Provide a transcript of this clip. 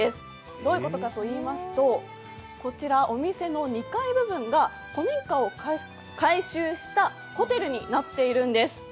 どういうことかといいますとこちらお店の２階部分が古民家を改修したホテルになっているんです。